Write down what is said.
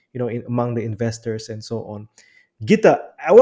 di antara pemerintah dan sebagainya